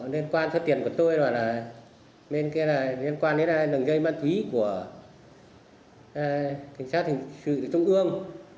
liên quan số tiền của tôi là liên quan đến lần dây bán quý của cảnh sát hình sự trung ương